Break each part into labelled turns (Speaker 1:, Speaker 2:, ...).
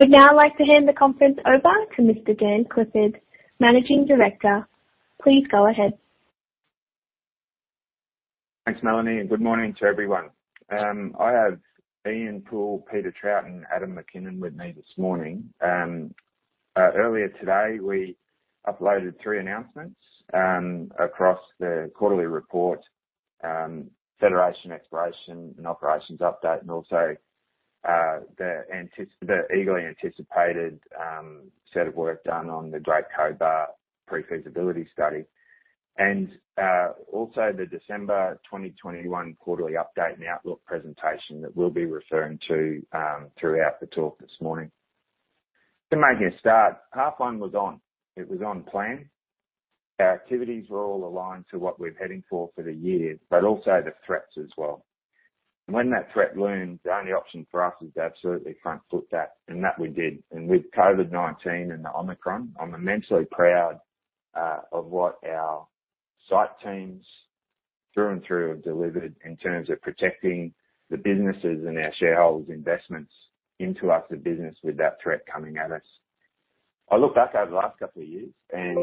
Speaker 1: We'd now like to hand the conference over to Mr. Dan Clifford, Managing Director. Please go ahead.
Speaker 2: Thanks, Melanie, and good morning to everyone. I have Ian Poole, Peter Trout, and Adam McKinnon with me this morning. Earlier today we uploaded three announcements across the quarterly report, Federation Exploration and Operations update and also the eagerly anticipated set of work done on the Great Cobar pre-feasibility study and also the December 2021 quarterly update and outlook presentation that we'll be referring to throughout the talk this morning. To make a start, H1 was on plan. Our activities were all aligned to what we're heading for for the year, but also the threats as well. When that threat loomed, the only option for us was to absolutely front foot that, and that we did. With COVID-19 and the Omicron, I'm immensely proud of what our site teams through and through have delivered in terms of protecting the businesses and our shareholders' investments into us, the business with that threat coming at us. I look back over the last couple of years and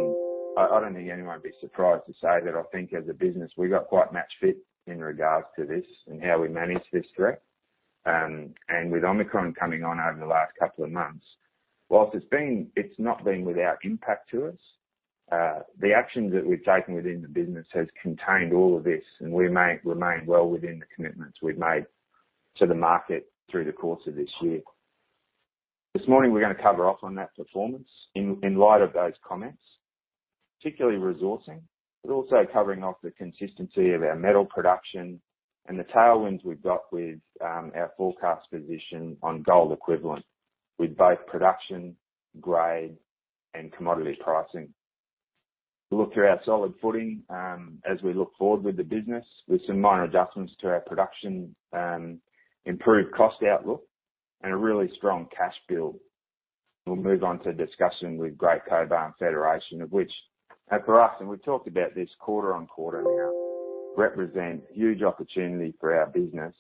Speaker 2: I don't think anyone would be surprised to say that I think as a business, we got quite match fit in regards to this and how we managed this threat. With Omicron coming on over the last couple of months, whilst it's been, it's not been without impact to us, the actions that we've taken within the business has contained all of this, and we may remain well within the commitments we've made to the market through the course of this year. This morning, we're gonna cover off on that performance in light of those comments, particularly resourcing, but also covering off the consistency of our metal production and the tailwinds we've got with our forecast position on gold equivalent with both production, grade, and commodity pricing. We'll look through our solid footing as we look forward with the business with some minor adjustments to our production, improved cost outlook, and a really strong cash build. We'll move on to a discussion with Great Cobar and Federation, of which have for us, and we've talked about this quarter-on-quarter now, represent huge opportunity for our business.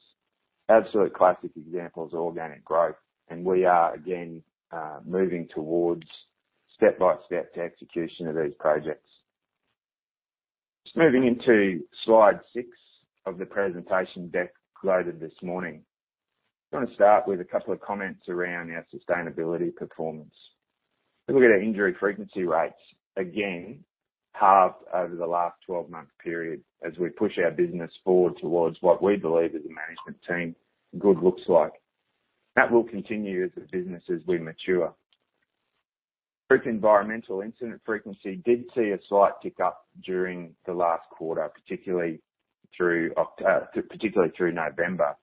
Speaker 2: Absolute classic example is organic growth, and we are again moving towards step-by-step to execution of these projects. Just moving into slide six of the presentation deck loaded this morning. Just wanna start with a couple of comments around our sustainability performance. If we look at our injury frequency rates, again, halved over the last 12-month period as we push our business forward towards what we believe as a management team good looks like. That will continue as a business as we mature. Group environmental incident frequency did see a slight uptick during the last quarter, particularly through November.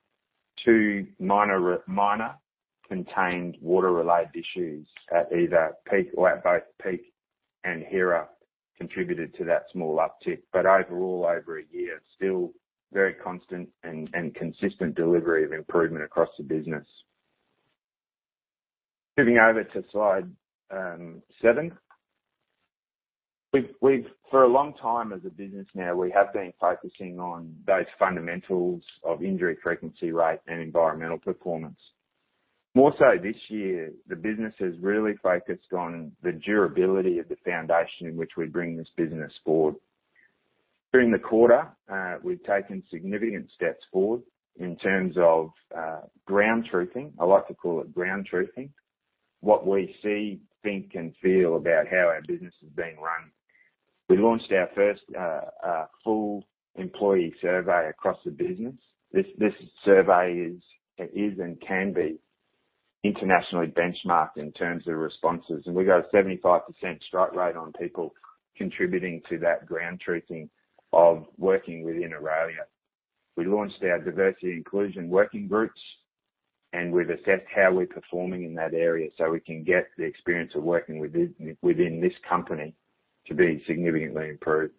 Speaker 2: Two minor contained water-related issues at either Peak or at both Peak and Hera contributed to that small uptick. Overall, over a year, still very constant and consistent delivery of improvement across the business. Moving over to slide seven. We've for a long time as a business now, we have been focusing on those fundamentals of injury frequency rate and environmental performance. More so this year, the business has really focused on the durability of the foundation in which we bring this business forward. During the quarter, we've taken significant steps forward in terms of ground truthing. I like to call it ground truthing what we see, think, and feel about how our business is being run. We launched our first full employee survey across the business. This survey is and can be internationally benchmarked in terms of responses, and we got a 75% strike rate on people contributing to that ground truthing of working within Aurelia. We launched our diversity inclusion working groups, and we've assessed how we're performing in that area so we can get the experience of working within this company to be significantly improved.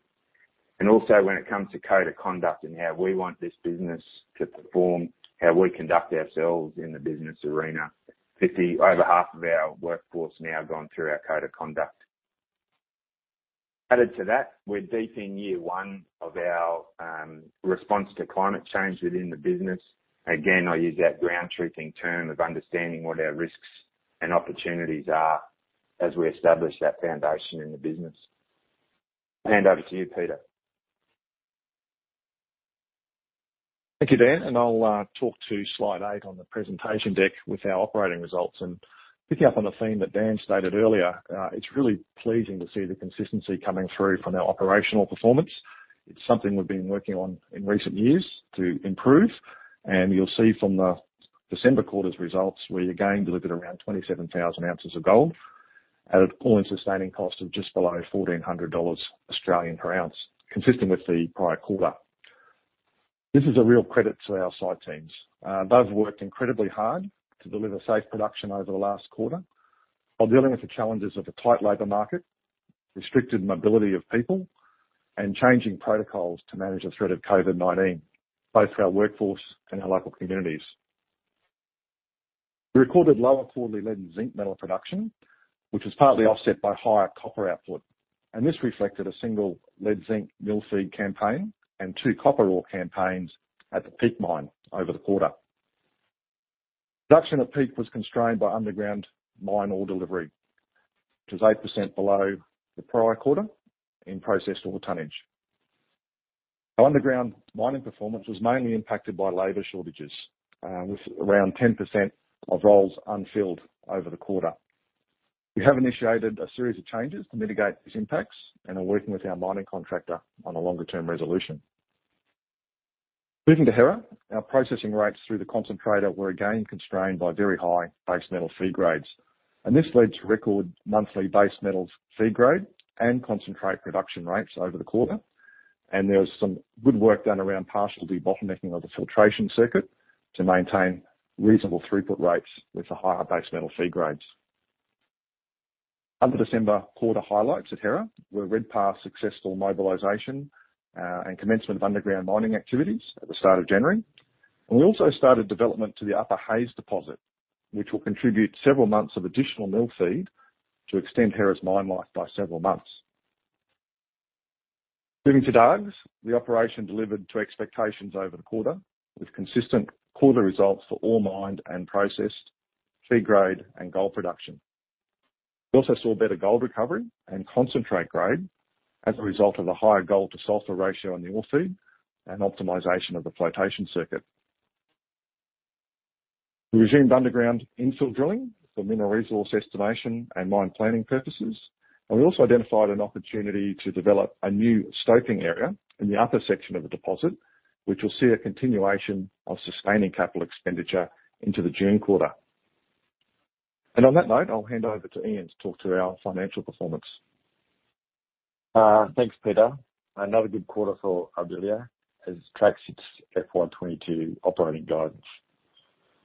Speaker 2: Also, when it comes to code of conduct and how we want this business to perform, how we conduct ourselves in the business arena, 50%, over half of our workforce now gone through our code of conduct. Added to that, we're deep in year one of our response to climate change within the business. Again, I use that ground truthing term of understanding what our risks and opportunities are as we establish that foundation in the business. Hand over to you, Peter.
Speaker 3: Thank you, Dan. I'll talk to slide eight on the presentation deck with our operating results. Picking up on a theme that Dan stated earlier, it's really pleasing to see the consistency coming through from our operational performance. It's something we've been working on in recent years to improve. You'll see from the December quarter's results, we again delivered around 27,000 ounces of gold at an all-in sustaining cost of just below 1,400 Australian dollars per ounce, consistent with the prior quarter. This is a real credit to our site teams. They've worked incredibly hard to deliver safe production over the last quarter while dealing with the challenges of a tight labor market, restricted mobility of people, and changing protocols to manage the threat of COVID-19, both for our workforce and our local communities. We recorded lower quarterly lead and zinc metal production, which was partly offset by higher copper output. This reflected a single lead zinc mill feed campaign and two copper ore campaigns at the Peak Mine over the quarter. Production at Peak was constrained by underground mine ore delivery. It was 8% below the prior quarter in processed ore tonnage. Our underground mining performance was mainly impacted by labor shortages, with around 10% of roles unfilled over the quarter. We have initiated a series of changes to mitigate these impacts and are working with our mining contractor on a longer-term resolution. Moving to Hera, our processing rates through the concentrator were again constrained by very high base metal feed grades, and this led to record monthly base metals feed grade and concentrate production rates over the quarter. There was some good work done around partially bottlenecking of the filtration circuit to maintain reasonable throughput rates with the higher base metal feed grades. Other December quarter highlights at Hera were Redpath successful mobilization, and commencement of underground mining activities at the start of January. We also started development to the Upper Hayes deposit, which will contribute several months of additional mill feed to extend Hera's mine life by several months. Moving to Dargues, the operation delivered to expectations over the quarter, with consistent quarter results for all mined and processed feed grade and gold production. We also saw better gold recovery and concentrate grade as a result of a higher gold to sulfur ratio on the ore feed and optimization of the flotation circuit. We resumed underground infill drilling for mineral resource estimation and mine planning purposes. We also identified an opportunity to develop a new scoping area in the upper section of the deposit, which will see a continuation of sustaining capital expenditure into the June quarter. On that note, I'll hand over to Ian to talk through our financial performance.
Speaker 4: Thanks, Peter. Another good quarter for Aurelia as it tracks its FY 2022 operating guidance.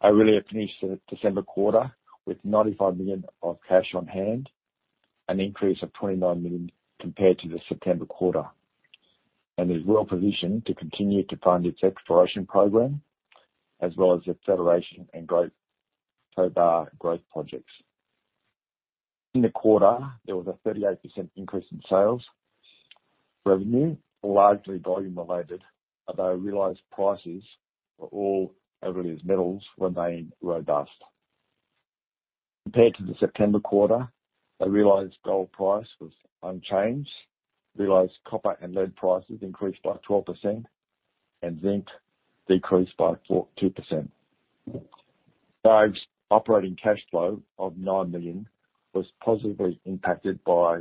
Speaker 4: Aurelia finished the December quarter with 95 million of cash on hand, an increase of 29 million compared to the September quarter, and is well positioned to continue to fund its exploration program as well as the Federation and Great Cobar growth projects. In the quarter, there was a 38% increase in sales revenue, largely volume related, although realized prices for all Aurelia's metals remained robust. Compared to the September quarter, the realized gold price was unchanged. Realized copper and lead prices increased by 12%, and zinc decreased by 2%. Dargues operating cash flow of 9 million was positively impacted by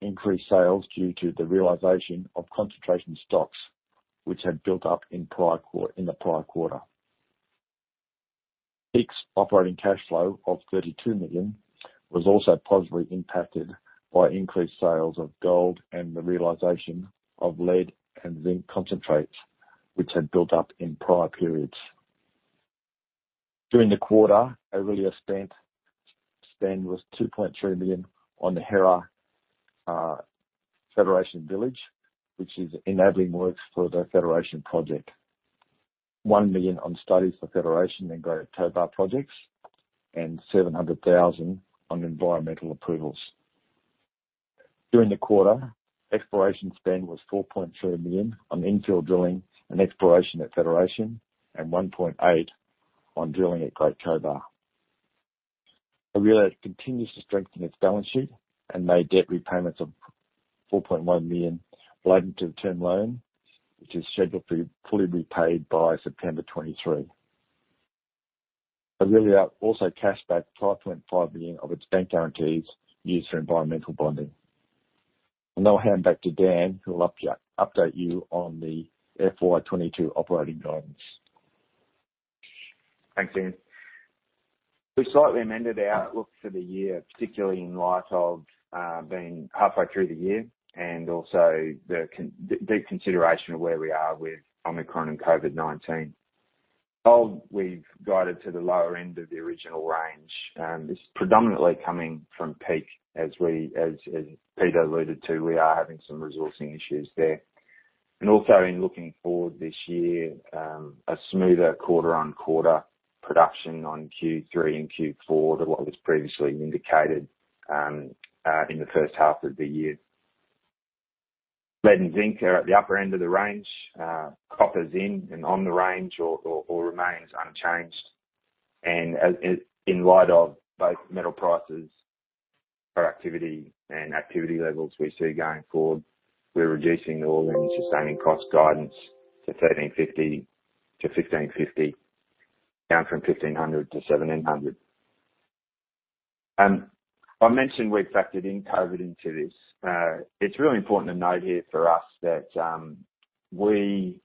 Speaker 4: increased sales due to the realization of concentrate stocks which had built up in the prior quarter. Peak's operating cash flow of 32 million was also positively impacted by increased sales of gold and the realization of lead and zinc concentrates, which had built up in prior periods. During the quarter, spend was 2.3 million on the Hera Federation Village, which is enabling works for the Federation project. 1 million on studies for Federation and Great Cobar projects, and 700,000 on environmental approvals. During the quarter, exploration spend was 4.3 million on infill drilling and exploration at Federation and 1.8 million on drilling at Great Cobar. Aurelia continues to strengthen its balance sheet and made debt repayments of 4.1 million relating to the term loan, which is scheduled to be fully repaid by September 2023. Aurelia also cashed back 5.5 million of its bank guarantees used for environmental bonding. I'll hand back to Dan, who will update you on the FY 2022 operating guidance.
Speaker 2: Thanks, Ian. We slightly amended our outlook for the year, particularly in light of being halfway through the year and also the in-depth consideration of where we are with Omicron and COVID-19. Gold, we've guided to the lower end of the original range, this predominantly coming from Peak. As Peter alluded to, we are having some resourcing issues there. Also in looking forward this year, a smoother quarter-on-quarter production in Q3 and Q4 than what was previously indicated in the first half of the year. Lead and zinc are at the upper end of the range. Copper's in the range or remains unchanged. In light of both metal prices, productivity, and activity levels we see going forward, we're reducing the all-in sustaining cost guidance to 1,350 to 1,550, down from 1,500 to 1,700. I mentioned we've factored in COVID into this. It's really important to note here for us that we,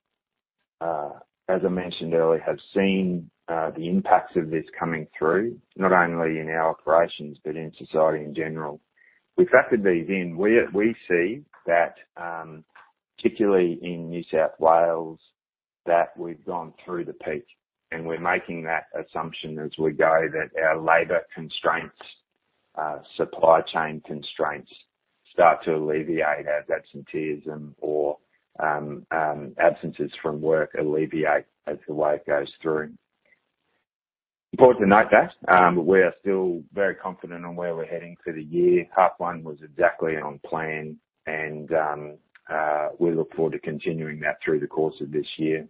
Speaker 2: as I mentioned earlier, have seen the impacts of this coming through not only in our operations but in society in general. We've factored these in. We see that, particularly in New South Wales, that we've gone through the Peak and we're making that assumption as we go that our labor constraints, supply chain constraints start to alleviate as absenteeism or absences from work alleviate as the wave goes through. Important to note that, we are still very confident on where we're heading for the year. Half one was exactly on plan and, we look forward to continuing that through the course of this year.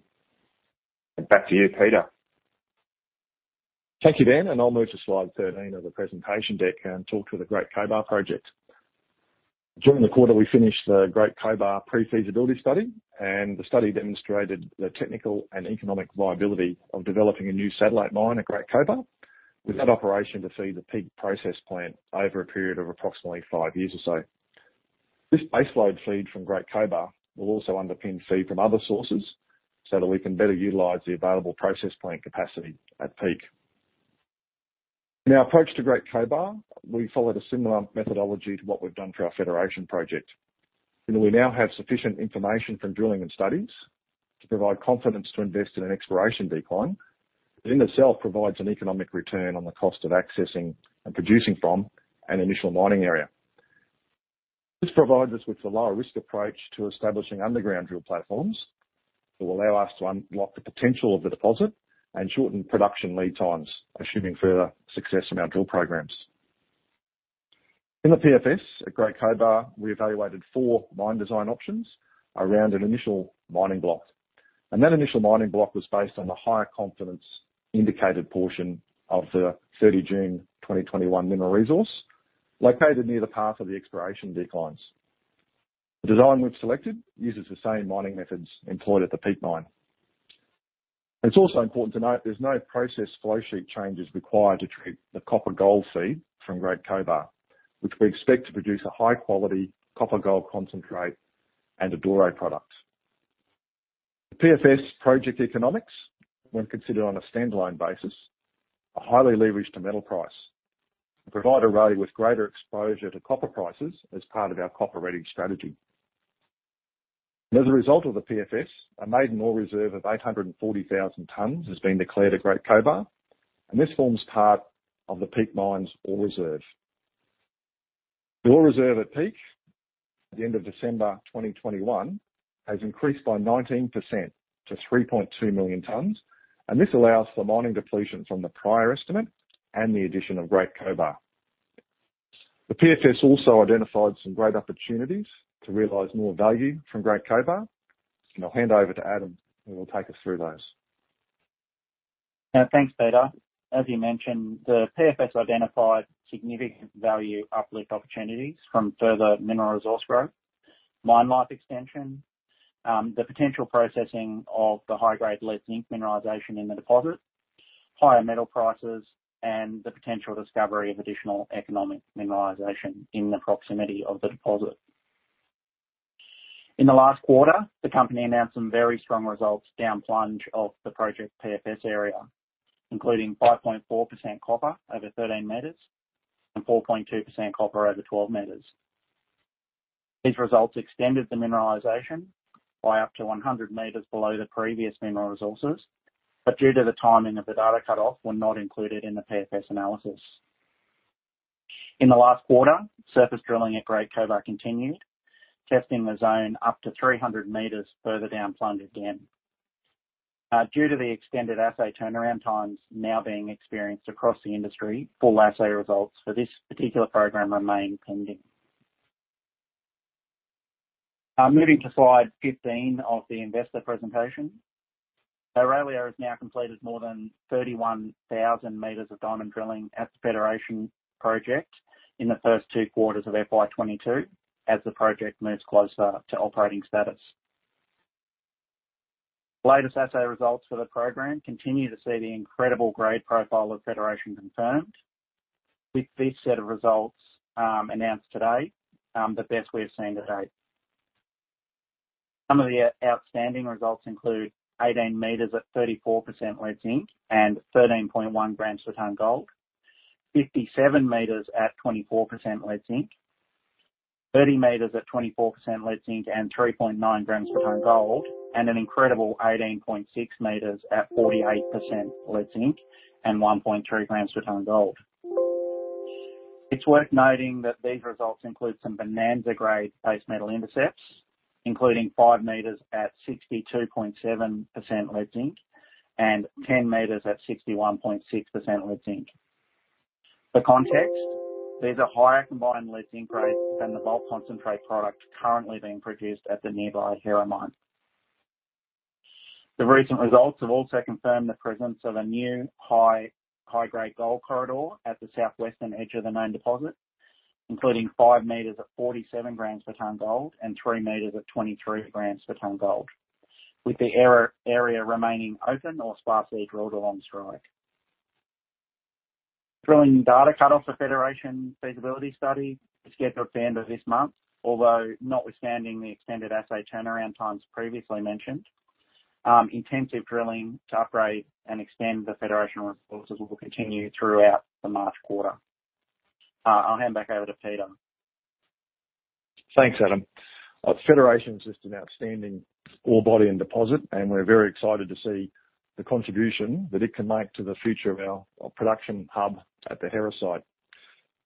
Speaker 2: Back to you, Peter.
Speaker 3: Thank you, Dan. I'll move to slide 13 of the presentation deck and talk to the Great Cobar project. During the quarter, we finished the Great Cobar pre-feasibility study, and the study demonstrated the technical and economic viability of developing a new satellite mine at Great Cobar, with that operation to feed the Peak process plant over a period of approximately five years or so. This baseload feed from Great Cobar will also underpin feed from other sources so that we can better utilize the available process plant capacity at Peak. In our approach to Great Cobar, we followed a similar methodology to what we've done for our Federation project. We now have sufficient information from drilling and studies to provide confidence to invest in an exploration decline. It in itself provides an economic return on the cost of accessing and producing from an initial mining area. This provides us with a lower risk approach to establishing underground drill platforms that will allow us to unlock the potential of the deposit and shorten production lead times, assuming further success in our drill programs. In the PFS at Great Cobar, we evaluated four mine design options around an initial mining block, and that initial mining block was based on the higher confidence indicated portion of the 30 June 2021 mineral resource located near the path of the exploration declines. The design we've selected uses the same mining methods employed at the Peak Mine. It's also important to note there's no process flow sheet changes required to treat the copper gold feed from Great Cobar, which we expect to produce a high-quality copper gold concentrate and a doré product. The PFS project economics, when considered on a standalone basis, are highly leveraged to metal price, and provide Aurelia with greater exposure to copper prices as part of our copper ready strategy. As a result of the PFS, a maiden ore reserve of 840,000 tons has been declared at Great Cobar, and this forms part of the Peak Mine's ore reserve. The ore reserve at Peak at the end of December 2021 has increased by 19% to 3.2 million tons, and this allows for mining depletion from the prior estimate and the addition of Great Cobar. The PFS also identified some great opportunities to realize more value from Great Cobar, and I'll hand over to Adam, who will take us through those.
Speaker 5: Thanks, Peter. As you mentioned, the PFS identified significant value uplift opportunities from further mineral resource growth, mine life extension, the potential processing of the high-grade lead-zinc mineralization in the deposit, higher metal prices, and the potential discovery of additional economic mineralization in the proximity of the deposit. In the last quarter, the company announced some very strong results down plunge of the project PFS area, including 5.4% copper over 13 meters and 4.2% copper over 12 meters. These results extended the mineralization by up to 100 meters below the previous mineral resources, but due to the timing of the data cut off, were not included in the PFS analysis. In the last quarter, surface drilling at Great Cobar continued, testing the zone up to 300 meters further down plunge again. Due to the extended assay turnaround times now being experienced across the industry, full assay results for this particular program remain pending. Moving to slide 15 of the investor presentation. Aurelia has now completed more than 31,000 meters of diamond drilling at the Federation project in the first two quarters of FY 2022 as the project moves closer to operating status. Latest assay results for the program continue to see the incredible grade profile of Federation confirmed. With this set of results, announced today, the best we've seen to date. Some of the outstanding results include 18 meters at 34% lead zinc and 13.1 grams per ton gold, 57 meters at 24% lead zinc, 30 meters at 24% lead zinc and 3.9 grams per ton gold, and an incredible 18.6 meters at 48% lead zinc and 1.3 grams per ton gold. It's worth noting that these results include some bonanza grade base metal intercepts, including 5 meters at 62.7% lead zinc and 10 meters at 61.6% lead zinc. For context, these are higher combined lead zinc grades than the bulk concentrate product currently being produced at the nearby Hera mine. The recent results have also confirmed the presence of a new high-grade gold corridor at the southwestern edge of the main deposit, including 5 meters at 47 grams per ton gold and 3 meters at 23 grams per ton gold, with the area remaining open or sparsely drilled along strike. Drilling data cutoff for the Federation feasibility study is scheduled for the end of this month. Although notwithstanding the extended assay turnaround times previously mentioned, intensive drilling to upgrade and extend the Federation resources will continue throughout the March quarter. I'll hand back over to Peter.
Speaker 3: Thanks, Adam. Federation is just an outstanding ore body and deposit, and we're very excited to see the contribution that it can make to the future of our production hub at the Hera site.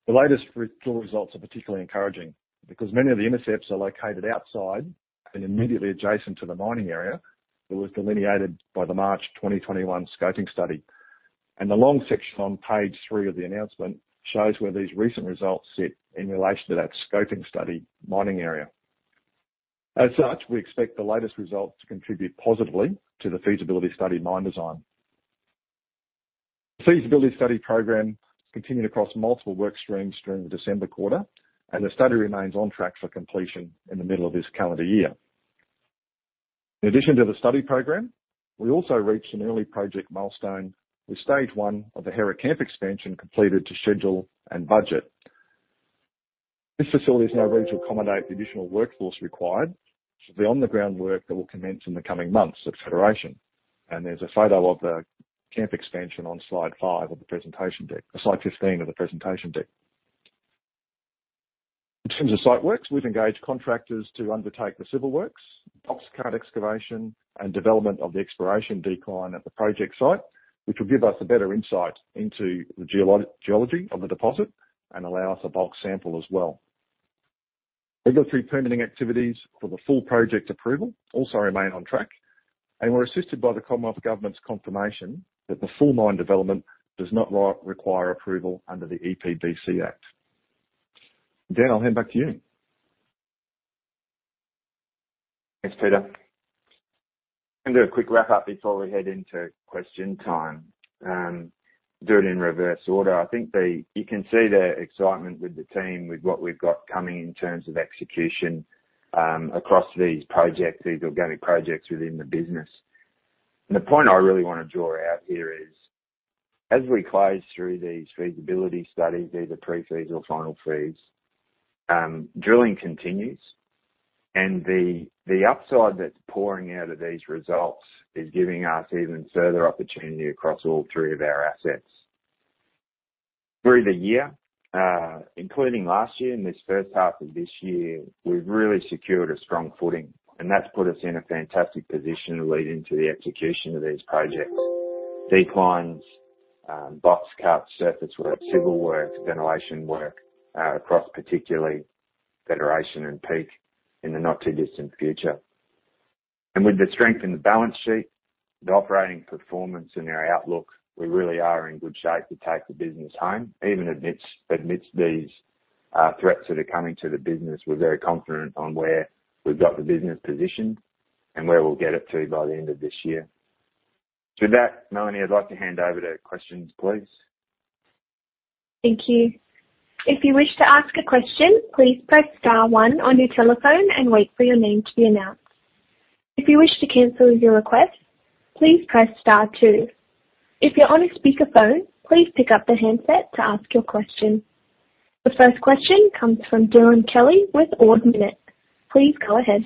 Speaker 3: The latest drill results are particularly encouraging because many of the intercepts are located outside and immediately adjacent to the mining area that was delineated by the March 2021 scoping study. The long section on page three of the announcement shows where these recent results sit in relation to that scoping study mining area. As such, we expect the latest results to contribute positively to the feasibility study mine design. The feasibility study program continued across multiple work streams during the December quarter, and the study remains on track for completion in the middle of this calendar year. In addition to the study program, we also reached an early project milestone with stage one of the Hera camp expansion completed to schedule and budget. This facility is now ready to accommodate the additional workforce required for the on-the-ground work that will commence in the coming months at Federation. There's a photo of the camp expansion on slide five of the presentation deck, slide 15 of the presentation deck. In terms of site works, we've engaged contractors to undertake the civil works, box cut excavation, and development of the exploration decline at the project site, which will give us a better insight into the geology of the deposit and allow us to bulk sample as well. Regulatory permitting activities for the full project approval also remain on track, and we're assisted by the Commonwealth Government's confirmation that the full mine development does not require approval under the EPBC Act. Dan, I'll hand back to you.
Speaker 2: Thanks, Peter. I'm gonna do a quick wrap-up before we head into question time. Do it in reverse order. I think you can see the excitement with the team with what we've got coming in terms of execution across these projects, these organic projects within the business. The point I really wanna draw out here is, as we close through these feasibility studies, these are pre-feas or final feas, drilling continues. The upside that's pouring out of these results is giving us even further opportunity across all three of our assets. Through the year, including last year and this first half of this year, we've really secured a strong footing, and that's put us in a fantastic position leading to the execution of these projects. Declines, box cuts, surface work, civil works, ventilation work, across particularly Federation and Peak in the not-too-distant future. With the strength in the balance sheet, the operating performance and our outlook, we really are in good shape to take the business home. Even amidst these threats that are coming to the business, we're very confident on where we've got the business positioned and where we'll get it to by the end of this year. To that, Melanie, I'd like to hand over to questions, please.
Speaker 1: Thank you. If you wish to ask a question, please press star one on your telephone and wait for your name to be announced. If you wish to cancel your request, please press star two. If you're on a speakerphone, please pick up the handset to ask your question. The first question comes from Dylan Kelly with Ord Minnett. Please go ahead.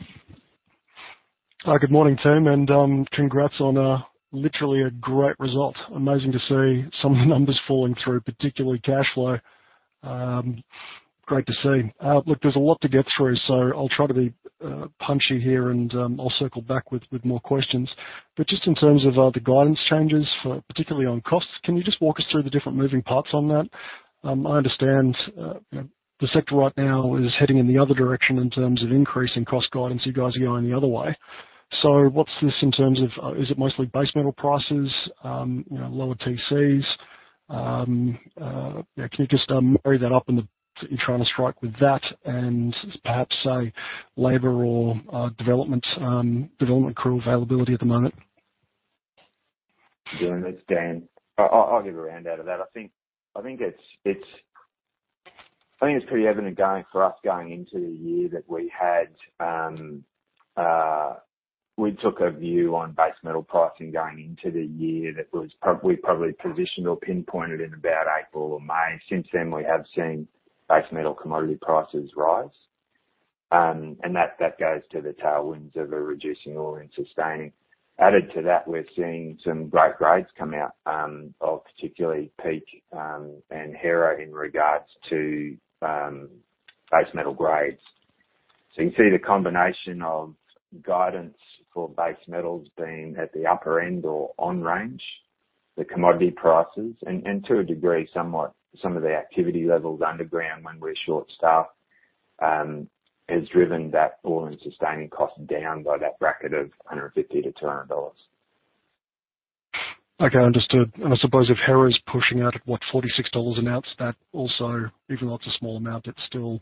Speaker 6: Hi, good morning, team, and congrats on literally a great result. Amazing to see some of the numbers falling through, particularly cash flow. Great to see. Look, there's a lot to get through, so I'll try to be punchy here and I'll circle back with more questions. Just in terms of the guidance changes, particularly on costs, can you just walk us through the different moving parts on that? I understand, you know, the sector right now is heading in the other direction in terms of increasing cost guidance. You guys are going the other way. What's this in terms of? Is it mostly base metal prices? You know, lower TC's? Yeah, can you just marry that up in that you're trying to strike with that and perhaps, say, labor or development crew availability at the moment?
Speaker 2: Dylan, it's Dan. I'll give a round out of that. I think it's pretty evident for us going into the year that we had. We took a view on base metal pricing going into the year that we probably positioned or pinpointed in about April or May. Since then, we have seen base metal commodity prices rise. That goes to the tailwinds of a reducing all-in sustaining. Added to that, we're seeing some great grades come out of particularly Peak and Hera in regards to base metal grades. You can see the combination of guidance for base metals being at the upper end or on range, the commodity prices, and to a degree, somewhat, some of the activity levels underground when we're short staffed, has driven that all-in sustaining cost down by that bracket of 150-200 dollars.
Speaker 6: Okay, understood. I suppose if Hera's pushing out at, what, 46 dollars an ounce, that also, even though it's a small amount, it still,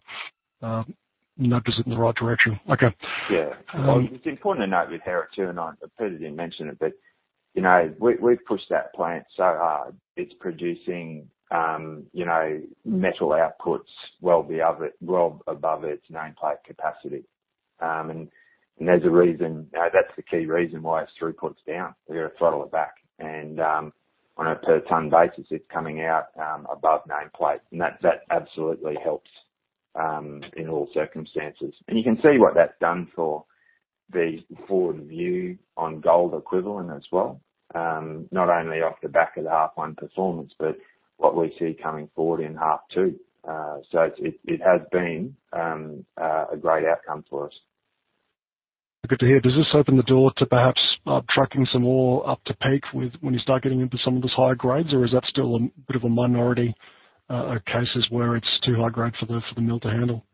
Speaker 6: nudges it in the right direction. Okay.
Speaker 2: Yeah. It's important to note with Hera, too. Peter didn't mention it, but you know, we've pushed that plant so hard, it's producing metal outputs well above its nameplate capacity. There's a reason. That's the key reason why its throughput's down. We've got to throttle it back. On a per ton basis, it's coming out above nameplate. That absolutely helps in all circumstances. You can see what that's done for. The forward view on gold equivalent as well, not only off the back of the half one performance, but what we see coming forward in half two. It has been a great outcome for us.
Speaker 6: Good to hear. Does this open the door to perhaps trucking some ore up to Peak when you start getting into some of those higher grades? Is that still a bit of a minority cases where it's too high grade for the mill to handle?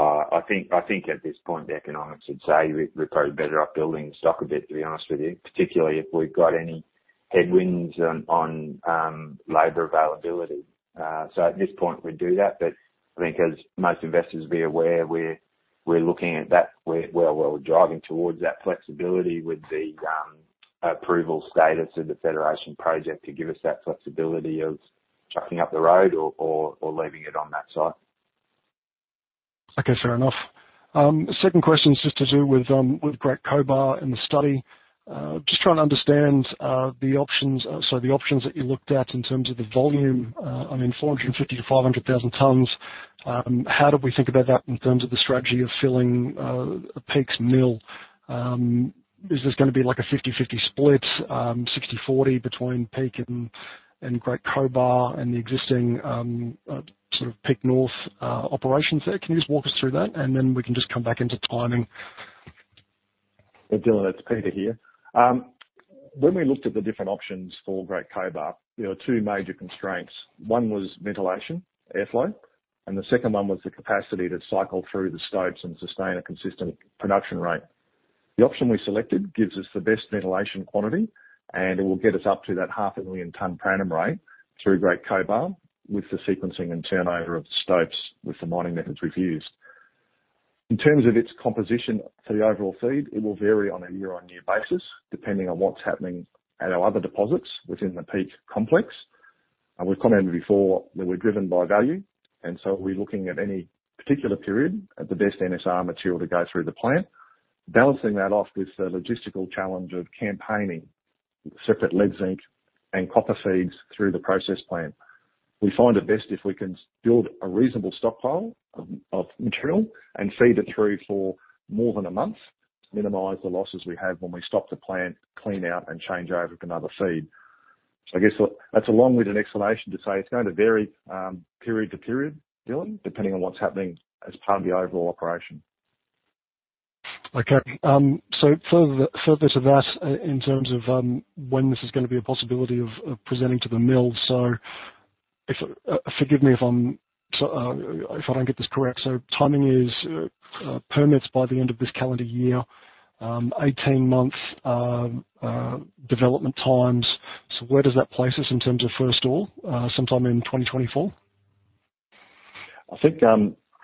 Speaker 2: I think at this point, the economics would say we're probably better off building stock a bit, to be honest with you, particularly if we've got any headwinds on labor availability. At this point we do that. I think as most investors will be aware, we're looking at that. We're driving towards that flexibility with the approval status of the Federation project to give us that flexibility of trucking up the road or leaving it on that site.
Speaker 6: Okay. Fair enough. Second question is just to do with Great Cobar and the study. Just trying to understand the options. So the options that you looked at in terms of the volume, I mean, 450,000-500,000 tons. How do we think about that in terms of the strategy of filling Peak's mill? Is this gonna be like a 50/50 split, 60/40 between Peak and Great Cobar and the existing sort of Peak North operations there? Can you just walk us through that and then we can just come back into timing.
Speaker 3: Hey, Dylan, it's Peter here. When we looked at the different options for Great Cobar, there were two major constraints. One was ventilation, airflow, and the second one was the capacity to cycle through the stopes and sustain a consistent production rate. The option we selected gives us the best ventilation quantity, and it will get us up to that 500,000 ton per annum rate through Great Cobar with the sequencing and turnover of the stopes with the mining methods we've used. In terms of its composition for the overall feed, it will vary on a year-on-year basis, depending on what's happening at our other deposits within the Peak complex. We've commented before that we're driven by value, and so we're looking at any particular period at the best NSR material to go through the plant. Balancing that off with the logistical challenge of campaigning separate lead, zinc, and copper feeds through the process plant. We find it best if we can build a reasonable stockpile of material and feed it through for more than a month to minimize the losses we have when we stop the plant, clean out, and change over to another feed. I guess that's a long-winded explanation to say it's going to vary, period to period, Dylan, depending on what's happening as part of the overall operation.
Speaker 6: Okay. Further to that in terms of when this is gonna be a possibility of presenting to the mill. Forgive me if I don't get this correct. Timing is permits by the end of this calendar year, 18 months development times. Where does that place us in terms of first ore sometime in 2024?
Speaker 3: I think,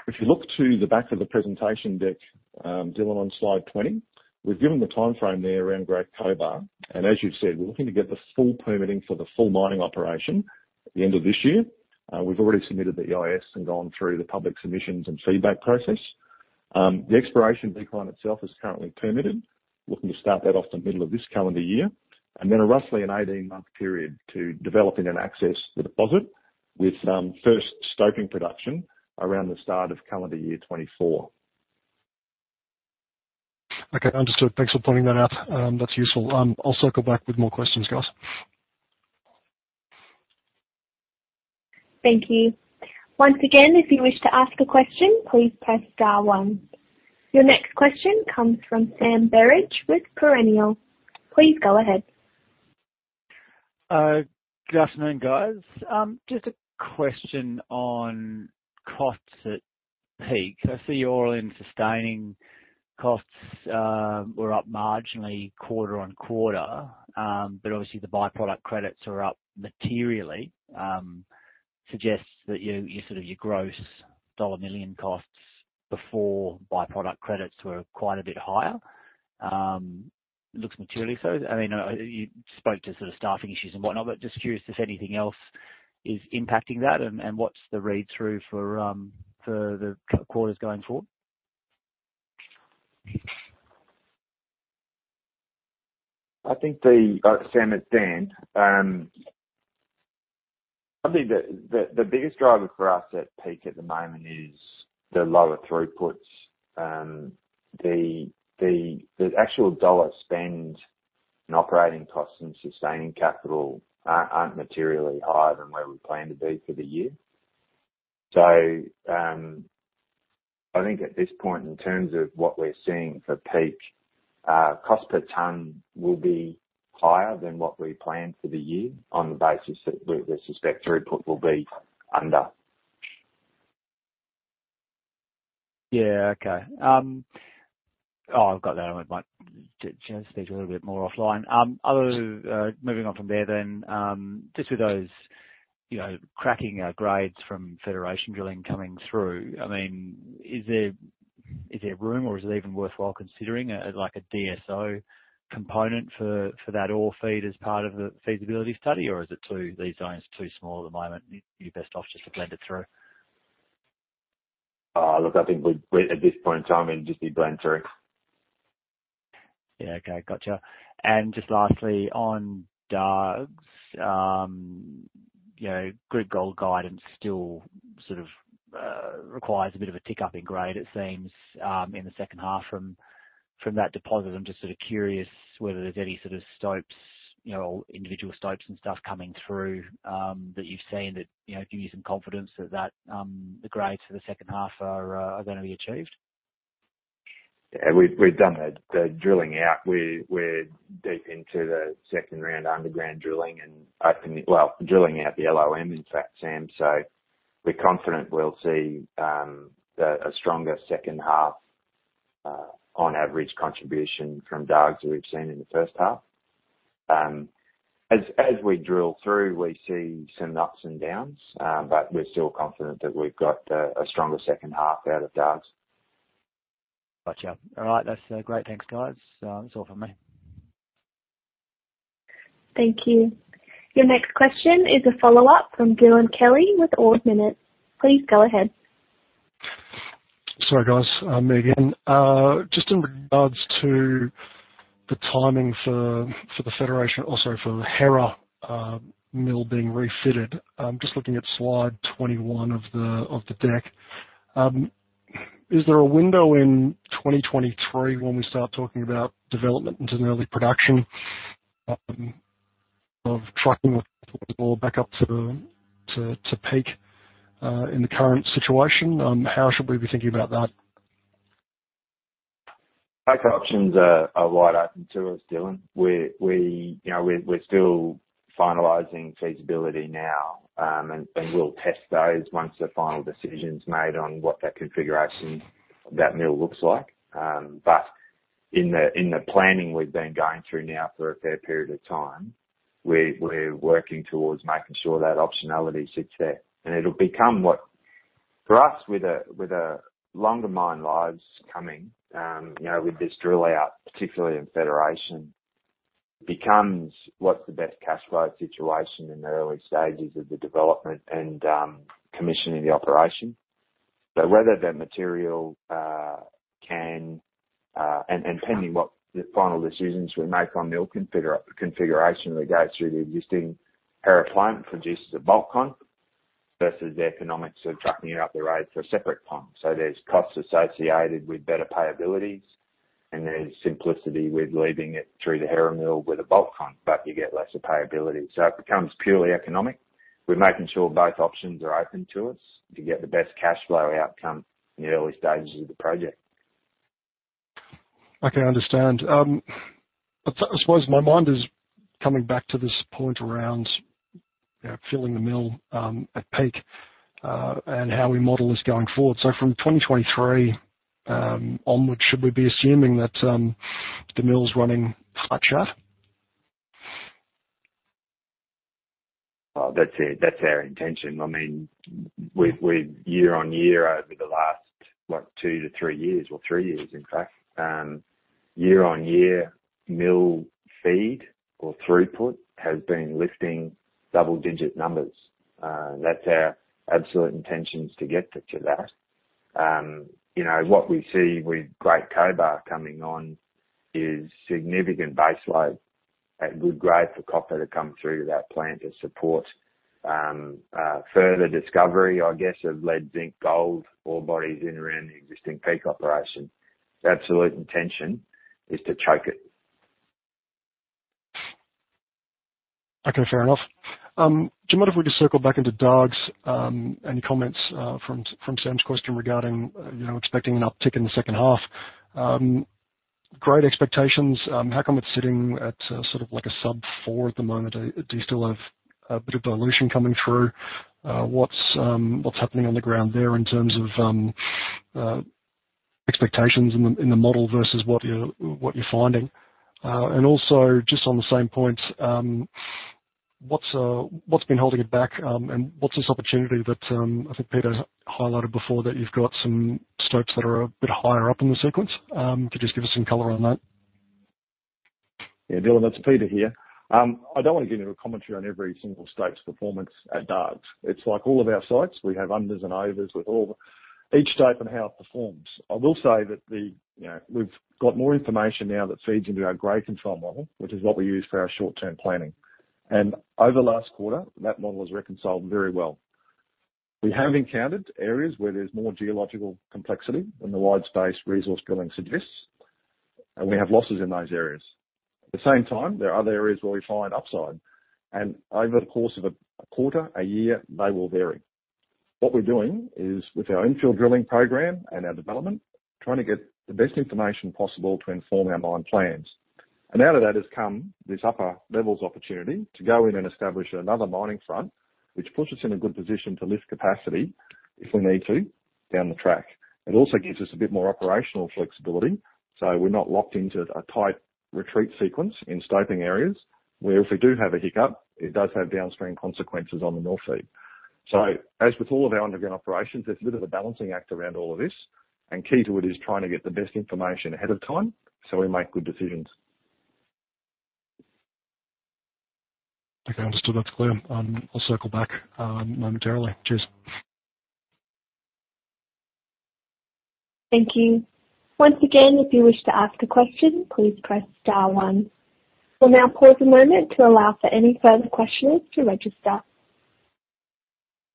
Speaker 3: if you look to the back of the presentation deck, Dylan, on slide 20, we've given the timeframe there around Great Cobar, and as you've said, we're looking to get the full permitting for the full mining operation at the end of this year. We've already submitted the EIS and gone through the public submissions and feedback process. The exploration decline itself is currently permitted. Looking to start that off the middle of this calendar year, and then roughly an 18-month period to developing and access the deposit with, first stoping production around the start of calendar year 2024.
Speaker 6: Okay. Understood. Thanks for pointing that out. That's useful. I'll circle back with more questions, guys.
Speaker 1: Thank you. Once again, if you wish to ask a question, please press star one. Your next question comes from Sam Berridge with Perennial. Please go ahead.
Speaker 7: Good afternoon, guys. Just a question on costs at Peak. I see your all-in sustaining costs were up marginally quarter-over-quarter, but obviously the by-product credits are up materially, suggests that your gross dollar million costs before by-product credits were quite a bit higher. It looks materially so. I mean, you spoke to sort of staffing issues and whatnot, but just curious if anything else is impacting that and what's the read-through for the quarters going forward?
Speaker 2: I think, Sam, it's Dan. I think the biggest driver for us at Peak at the moment is the lower throughputs. The actual dollar spend in operating costs and sustaining capital aren't materially higher than where we plan to be for the year. I think at this point, in terms of what we're seeing for Peak, cost per ton will be higher than what we planned for the year on the basis that we suspect throughput will be under.
Speaker 7: I've got that. I might just speak a little bit more offline. Moving on from there, just with those, you know, cracking grades from Federation drilling coming through, I mean, is there room or is it even worthwhile considering a, like a DSO component for that ore feed as part of the feasibility study? Or are these zones too small at the moment, you're best off just to blend it through?
Speaker 2: Look, I think we at this point in time, it'd just be blend through.
Speaker 7: Yeah. Okay. Gotcha. Just lastly, on Dargues, you know, good gold guidance still sort of requires a bit of a tick-up in grade, it seems, in the second half from that deposit. I'm just sort of curious whether there's any sort of stopes, you know, individual stopes and stuff coming through, that you've seen that, you know, give you some confidence that the grades for the second half are gonna be achieved.
Speaker 2: Yeah. We've done the drilling out. We're deep into the second round underground drilling out the LOM, in fact, Sam. We're confident we'll see a stronger second half on average contribution from Dargues we've seen in the first half. As we drill through, we see some ups and downs, but we're still confident that we've got a stronger second half out of Dargues.
Speaker 7: Gotcha. All right. That's great. Thanks, guys. That's all for me.
Speaker 1: Thank you. Your next question is a follow-up from Dylan Kelly with Ord Minnett. Please go ahead.
Speaker 6: Sorry, guys. Me again. Just in regards to the timing for the Hera mill being refitted. Just looking at slide 21 of the deck. Is there a window in 2023 when we start talking about development into the early production of trucking or back up to Peak in the current situation? How should we be thinking about that?
Speaker 2: Both options are wide open to us, Dylan. We're, you know, still finalizing feasibility now, and we'll test those once the final decision is made on what that configuration, that mill looks like. But in the planning we've been going through now for a fair period of time, we're working towards making sure that optionality sits there. It'll become, for us, with a longer mine life coming, you know, with this drill out, particularly in Federation, what's the best cash flow situation in the early stages of the development and commissioning the operation. Whether that material can and depending what the final decisions we make on mill configuration, we go through the existing Hera plant produces a bulk con versus the economics of trucking it up the road for a separate plant. There's costs associated with better payability, and there's simplicity with leaving it through the Hera mill with a bulk con, but you get lesser payability. It becomes purely economic. We're making sure both options are open to us to get the best cash flow outcome in the early stages of the project.
Speaker 6: Okay. I understand. I suppose my mind is coming back to this point around, you know, filling the mill at Peak, and how we model this going forward. From 2023 onwards, should we be assuming that the mill's running flat out?
Speaker 2: Oh, that's it. That's our intention. I mean, we've year-on-year over the last, what, two to three years or three years, in fact, year-on-year mill feed or throughput has been lifting double-digit numbers. That's our absolute intentions to get to that. You know, what we see with Great Cobar coming on is significant baseload at good grade for copper to come through to that plant to support further discovery, I guess, of lead, zinc, gold, ore bodies in and around the existing Peak operation. Absolute intention is to choke it.
Speaker 6: Okay. Fair enough. Do you mind if we just circle back into Dargues, any comments from Sam's question regarding, you know, expecting an uptick in the second half? Great expectations. How come it's sitting at sort of like a sub four at the moment? Do you still have a bit of dilution coming through? What's happening on the ground there in terms of expectations in the model versus what you're finding? And also just on the same point, what's been holding it back, and what's this opportunity that I think Peter highlighted before, that you've got some stopes that are a bit higher up in the sequence? Could you just give us some color on that?
Speaker 3: Yeah. Dylan, that's Peter here. I don't want to get into a commentary on every single stope's performance at Dargues. It's like all of our sites, we have unders and overs with all the each stope and how it performs. I will say that the, you know, we've got more information now that feeds into our grade control model, which is what we use for our short-term planning. Over last quarter, that model has reconciled very well. We have encountered areas where there's more geological complexity than the wide-space resource drilling suggests, and we have losses in those areas. At the same time, there are other areas where we find upside, and over the course of a quarter, a year, they will vary. What we're doing is, with our infill drilling program and our development, trying to get the best information possible to inform our mine plans. Out of that has come this upper levels opportunity to go in and establish another mining front, which puts us in a good position to lift capacity if we need to down the track. It also gives us a bit more operational flexibility, so we're not locked into a tight retreat sequence in stoping areas where if we do have a hiccup, it does have downstream consequences on the mill feed. As with all of our underground operations, there's a bit of a balancing act around all of this, and key to it is trying to get the best information ahead of time so we make good decisions.
Speaker 6: Okay, understood. That's clear. I'll circle back, momentarily. Cheers.
Speaker 1: Thank you. Once again, if you wish to ask a question, please press star one. We'll now pause a moment to allow for any further questions to register.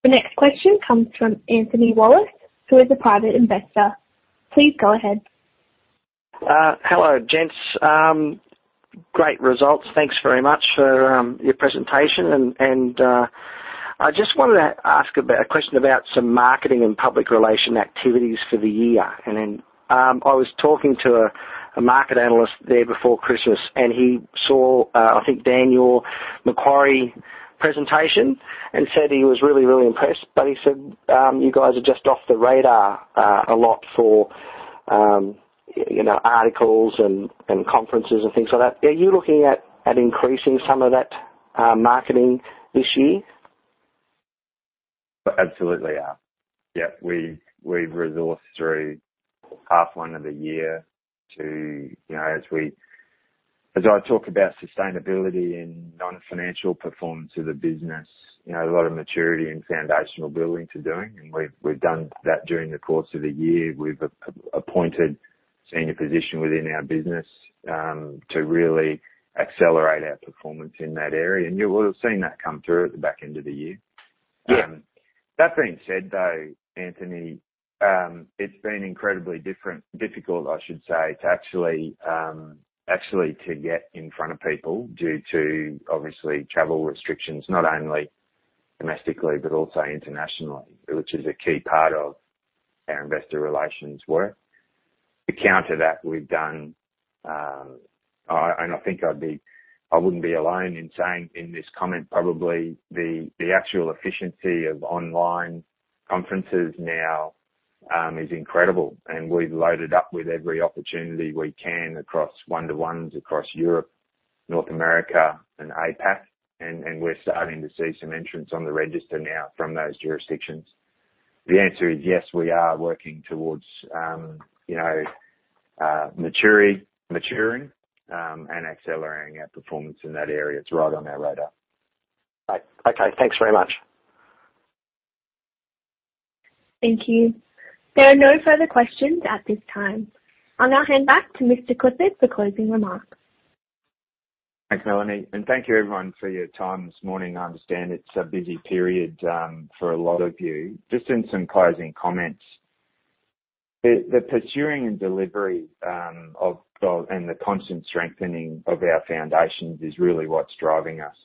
Speaker 1: The next question comes from Anthony Wallace, who is a private investor. Please go ahead.
Speaker 8: Hello, gents. Great results. Thanks very much for your presentation. I just wanted to ask a question about some marketing and public relation activities for the year. Then, I was talking to a market analyst there before Christmas, and he saw, I think, Daniel Macquarie presentation and said he was really impressed. He said you guys are just off the radar a lot for you know, articles and conferences and things like that. Are you looking at increasing some of that marketing this year?
Speaker 2: We absolutely are. Yeah, we resourced through half one of the year to, you know, as I talk about sustainability and non-financial performance of the business. You know, a lot of maturity and foundational building to doing, and we've done that during the course of the year. We've appointed senior position within our business to really accelerate our performance in that area. You will have seen that come through at the back end of the year.
Speaker 8: Yeah.
Speaker 2: That being said, though, Anthony, it's been incredibly different, difficult, I should say, to actually get in front of people due to obviously travel restrictions, not only domestically but also internationally, which is a key part of our investor relations work. To counter that, we've done and I think I wouldn't be alone in saying in this comment probably, the actual efficiency of online conferences now is incredible. We've loaded up with every opportunity we can across one-to-ones across Europe, North America and APAC, and we're starting to see some entrants on the register now from those jurisdictions. The answer is yes, we are working towards, you know, maturing and accelerating our performance in that area. It's right on our radar.
Speaker 8: Okay. Thanks very much.
Speaker 1: Thank you. There are no further questions at this time. I'll now hand back to Mr. Clifford for closing remarks.
Speaker 2: Thanks, Melanie, and thank you everyone for your time this morning. I understand it's a busy period for a lot of you. Just some closing comments. The pursuing and delivery of and the constant strengthening of our foundations is really what's driving us.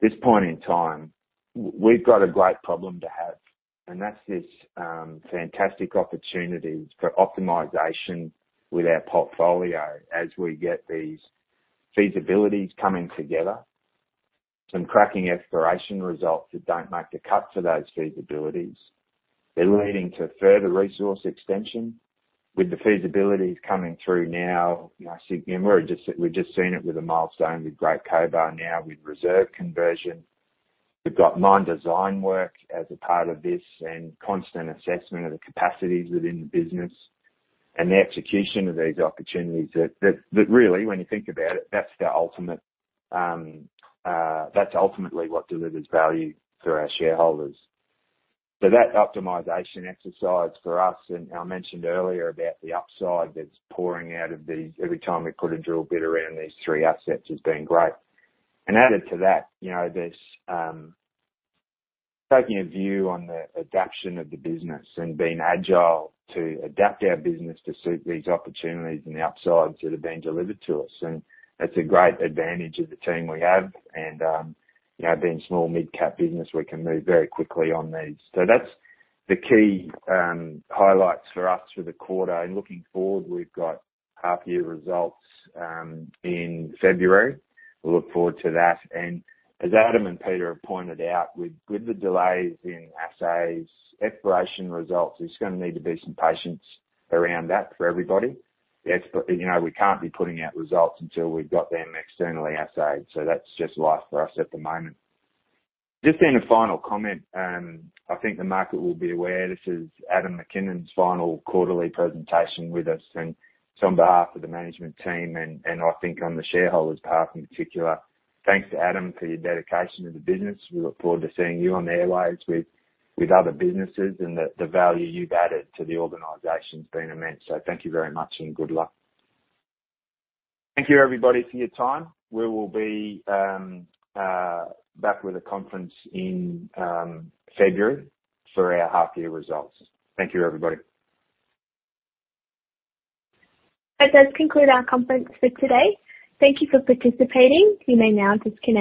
Speaker 2: This point in time, we've got a great problem to have, and that's this fantastic opportunities for optimization with our portfolio as we get these feasibilities coming together. Some cracking exploration results that don't make the cut for those feasibilities. They're leading to further resource extension with the feasibilities coming through now. You know, I think, you know, we've just seen it with a milestone with Great Cobar now with reserve conversion. We've got mine design work as a part of this and constant assessment of the capacities within the business and the execution of these opportunities that really when you think about it, that's ultimately what delivers value for our shareholders. That optimization exercise for us, and I mentioned earlier about the upside that's pouring out of these every time we put a drill bit around these three assets has been great. Added to that, you know, there's taking a view on the adaptation of the business and being agile to adapt our business to suit these opportunities and the upsides that have been delivered to us. That's a great advantage of the team we have and, you know, being small mid-cap business, we can move very quickly on these. That's the key highlights for us for the quarter. Looking forward, we've got half year results in February. We look forward to that. As Adam and Peter have pointed out, with the delays in assays, exploration results, there's gonna need to be some patience around that for everybody. You know, we can't be putting out results until we've got them externally assayed. That's just life for us at the moment. Just in a final comment, I think the market will be aware this is Adam McKinnon's final quarterly presentation with us. On behalf of the management team and I think on the shareholders' behalf in particular, thanks to Adam for your dedication to the business. We look forward to seeing you on the airwaves with other businesses, and the value you've added to the organization has been immense. Thank you very much and good luck. Thank you everybody for your time. We will be back with a conference in February for our half year results. Thank you, everybody.
Speaker 1: That does conclude our conference for today. Thank you for participating. You may now disconnect.